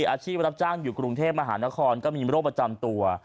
อาชีพรับจ้างอยู่กรุงเทพมหานครก็มีโรคประจำตัว